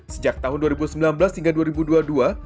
sejak tahun dua ribu sembilan belas hingga dua ribu dua puluh dua